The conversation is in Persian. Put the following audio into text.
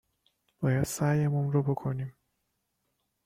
باید سعیمون رو بکنیم؟-